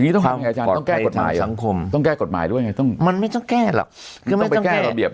ต้องแก้กฎหมายหรือว่าไงมันไม่ต้องแก้หรอก